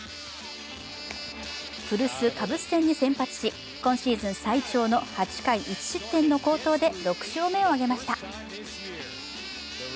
古巣・カブス戦に先発し今シーズン最長の８回１失点の好投で６勝目を挙げました。